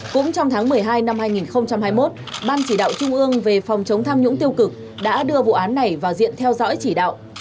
cũng trong tháng một mươi hai năm hai nghìn hai mươi một ban chỉ đạo trung ương về phòng chống tham nhũng tiêu cực đã đưa vụ án này vào diện theo dõi chỉ đạo